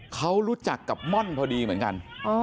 เขารู้จักกับม่อนพอดีเหมือนกัน